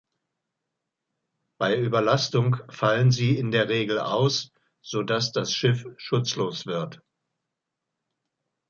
Bei Überlastung fallen sie in der Regel aus, so dass das Schiff schutzlos wird.